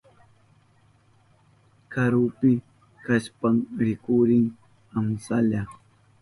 Karupi kashpan rikurin amsanlla.